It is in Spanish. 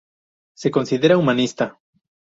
Se considera "humanista".